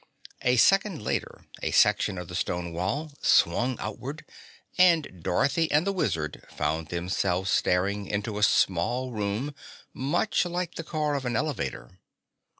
A second later a section of the stone wall swung outward, and Dorothy and the Wizard found themselves staring into a small room much like the car of an elevator.